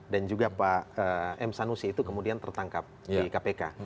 dan juga pak m sanusi itu kemudian tertangkap di kpk